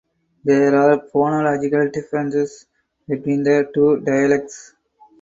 There are phonological differences between the two dialects.